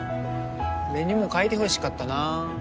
俺にも描いてほしかったな